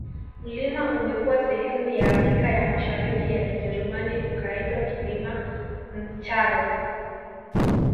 Mlima umekuwa sehemu ya Afrika ya Mashariki ya Kijerumani ukaitwa Kilima Ndscharo